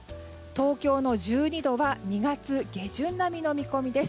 東京の１２度は２月下旬並みの見込みです。